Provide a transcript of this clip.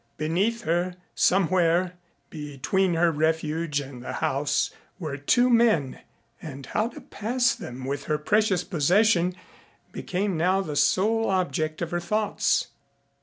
Beneath her, somewhere between her refuge and the house were two men, and how to pass them with her precious possession became now the sole object of her thoughts.